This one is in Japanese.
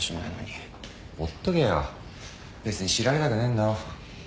ほっとけよ別に知られたくねえんだろ。